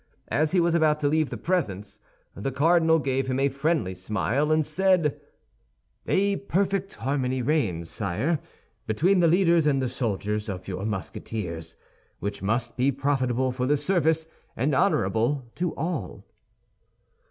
As he was about to leave the presence, the cardinal gave him a friendly smile, and said, "A perfect harmony reigns, sire, between the leaders and the soldiers of your Musketeers, which must be profitable for the service and honorable to all."